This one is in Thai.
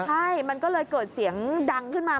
ใช่มันก็เลยเกิดเสียงดังขึ้นมา